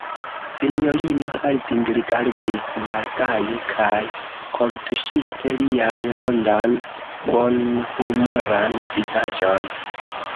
Sinjorino Harding rigardis malgaje kaj kortuŝite lian rondan, bonhumoran vizaĝon.